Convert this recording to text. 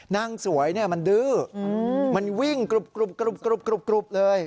นั่งสวยมันดื้อมันวิ่งกรุบเลย